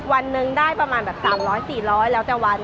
วันหนึ่งได้ประมาณแบบ๓๐๐๔๐๐แล้วแต่วัน